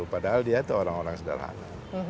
padahal dia itu orang orang sederhana